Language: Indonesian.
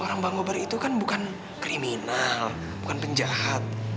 orang bangobar itu kan bukan kriminal bukan penjahat